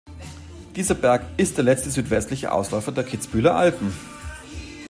Dieser Berg ist der letzte südwestliche Ausläufer der Kitzbüheler Alpen.